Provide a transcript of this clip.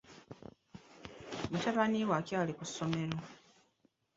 Mutabani we akyali ku ssomero.